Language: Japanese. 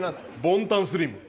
ボンタンスリム。